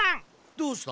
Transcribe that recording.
どうした？